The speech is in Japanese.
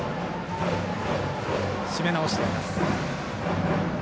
締め直しています。